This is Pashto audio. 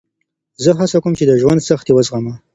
زه هڅه کوم چې د ژوند سختۍ وزغمه.